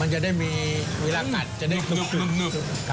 มันจะได้มีเวลากัดจะได้นึบ